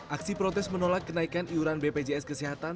aksi protes menolak kenaikan iuran bpjs kesehatan